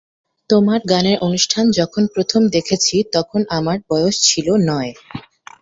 তোমার গানের অনুষ্ঠান যখন প্রথম দেখেছি তখন আমার বয়স ছিল নয়।